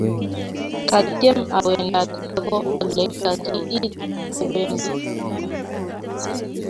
ka tyem a wendat ako ole kaki it kebendi